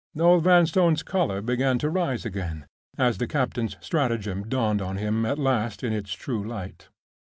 Noel Vanstone's color began to rise again, as the captain's stratagem dawned on him at last in its true light.